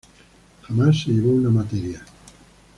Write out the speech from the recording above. Jamás se llevó una materia.